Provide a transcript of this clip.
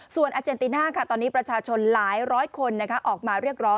ส่วนอาเจนติน่าตอนนี้ประชาชนหลายร้อยคนออกมาเรียกร้อง